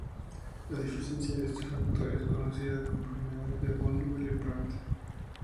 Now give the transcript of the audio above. La deficiencia de este factor es conocida como enfermedad de Von Willebrand.